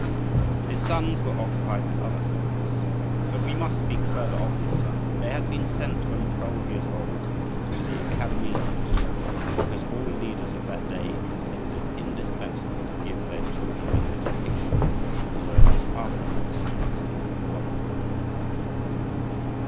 His sons were occupied with other thoughts. But we must speak further of his sons. They had been sent, when twelve years old, to the academy at Kief, because all leaders of that day considered it indispensable to give their children an education, although it was afterwards utterly forgotten.